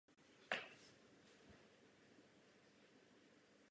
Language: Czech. O tomto nařízení společně rozhodne Evropský parlamentem a Rada.